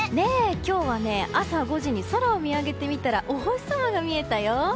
今日は朝５時に空を見上げてみたらお星様が見えたよ。